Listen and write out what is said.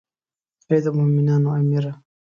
ای د مومنانو امیره.